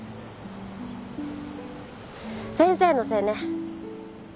先生のせいね。